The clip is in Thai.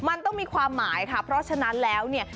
มันต้องมีความหมายค่ะเพราะฉะนั้นแล้วเนี่ย